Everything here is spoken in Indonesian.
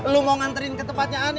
lo mau nganterin ke tempatnya aneh